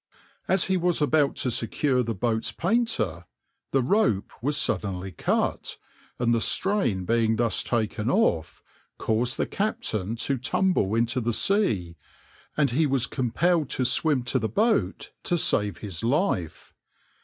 As he was about to secure the boat's painter the rope was suddenly cut, and the strain being thus taken off, caused the captain to tumble into the sea, and he was compelled to swim to the boat to save his life.